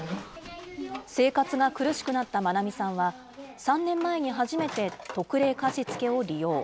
生活が苦しくなった真奈美さんは、３年前に初めて特例貸付を利用。